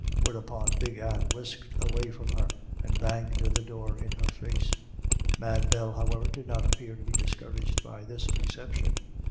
Whereupon Big Anne whisked away from her, and banged the door in her face. Mad Bell, however, did not appear to be discouraged by this reception.